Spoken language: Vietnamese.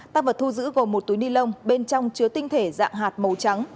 tăng vật thu giữ gồm một túi ni lông bên trong chứa tinh thể dạng hạt màu trắng